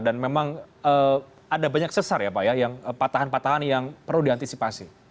dan memang ada banyak sesar ya pak ya patahan patahan yang perlu diantisipasi